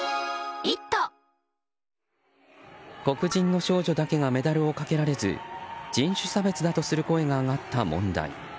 黒人の少女だけがメダルをかけられず人種差別だとする声が上がった問題。